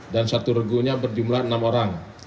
dan satu regunya berjumlah enam orang